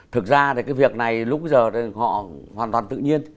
thực ra thì cái việc này lúc bây giờ họ hoàn toàn tự nhiên